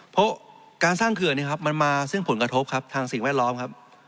เพราะการสร้างเขื่อนมันมาซึ่งผลกระทบทางสิ่งแวดล้อมครับ